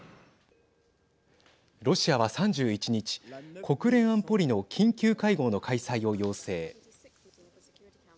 ロシアは３１日国連安保理の緊急会合の開催を要請。